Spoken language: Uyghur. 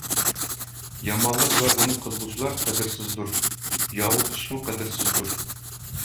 يامانلىق ۋە ئۇنى قىلغۇچىلار قەدىرسىزدۇر. ياۋۇز ئىشمۇ قەدىرسىزدۇر.